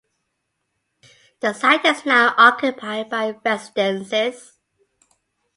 The site is now occupied by residences.